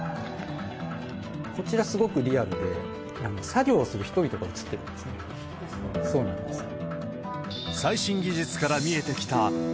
こちら、すごくリアルで、作業をする人々が写ってるんですね。